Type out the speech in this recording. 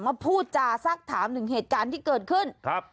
พูดจาสักถามถึงเหตุการณ์ที่เกิดขึ้นครับ